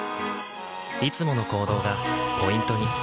いつもの行動がポイントに。